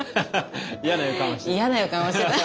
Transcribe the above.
嫌な予感はしてた？